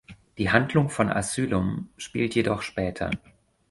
Die Handlung von "Asylum" spielt jedoch später.